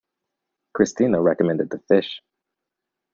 Christina recommended the fish.